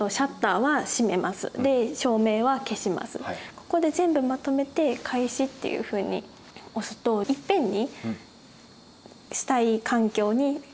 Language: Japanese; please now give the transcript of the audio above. ここで全部まとめて開始っていうふうに押すといっぺんにしたい環境にする。